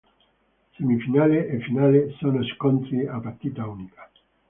Semifinali e finale sono scontri a partita unica.